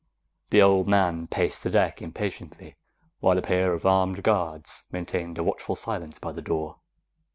The old man paced the deck impatiently, while a pair of armed guards maintained a watchful silence by the door.